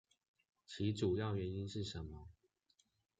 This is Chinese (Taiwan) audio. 其主要原因是什麼？